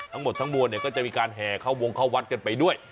ทั้งหมดทั้งมวลก็จะมีการแห่เข้าวงเข้าวัดกันไปด้วย